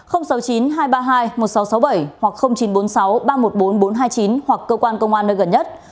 hoặc chín trăm bốn mươi sáu ba trăm một mươi bốn bốn trăm hai mươi chín hoặc cơ quan công an nơi gần nhất